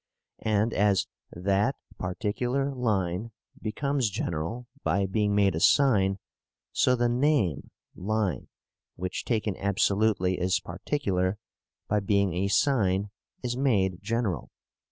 And, as THAT PARTICULAR LINE becomes general by being made a sign, so the NAME 'line,' which taken absolutely is particular, by being a sign is made general.